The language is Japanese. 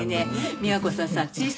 美和子さんさ